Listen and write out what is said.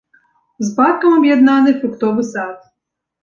З паркам аб'яднаны фруктовы сад.